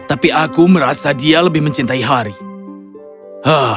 tapi aku merasa dia lebih mencintai harry